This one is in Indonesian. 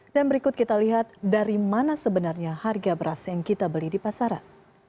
dan berikut kita lihat dari mana sebenarnya harga beras yang kita beli di pasaran